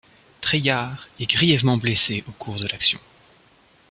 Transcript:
Trelliard est grièvement blessé au cours de l'action.